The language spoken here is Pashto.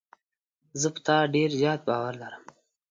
زه په تا ډېر زیات باور لرم.